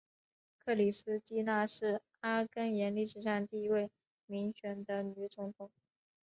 克里斯蒂娜是阿根廷历史上第一位民选的女总统。